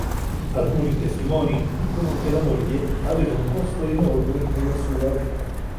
Alcuni testimoni dicono che la moglie aveva un posto enorme nella sua vita.